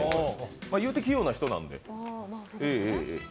言うても器用な人なんで。